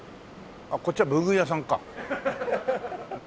あっこっちは文具屋さんか。